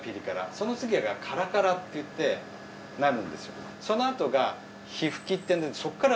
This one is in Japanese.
その次が辛辛っていってなるんですよ。